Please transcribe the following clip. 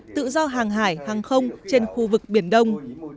tự do hàng hải hàng không trên khu vực biển đông